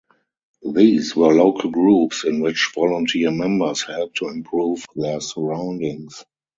These were local groups in which volunteer members helped to improve their surroundings.